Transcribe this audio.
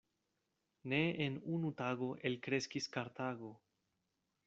Ne en unu tago elkreskis Kartago.